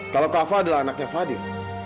kalau kafa adalah anaknya fadil